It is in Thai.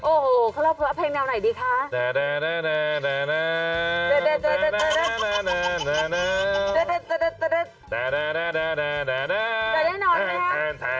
โอ้โหเค้าเล่าเพลงแนวไหนดีคะ